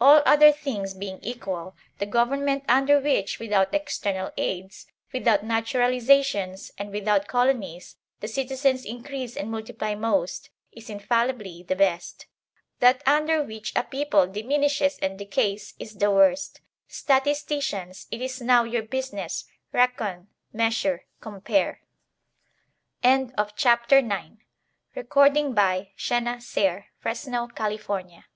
All other things being equal, the government under which, without external aids, without naturalizations, and without colonies, the citizens increase and multiply most, is infallibly the best. That under which a people diminishes and decays, is the worst. Statisticians, it is now your business; reckon, measure, compare. * *On the same principle must be jndged the